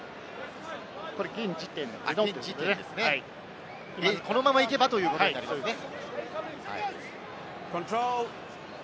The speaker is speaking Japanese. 現時点ですね、このままいけばということになりますね。